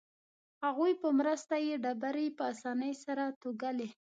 هغوی په مرسته یې ډبرې په اسانۍ سره توږلې.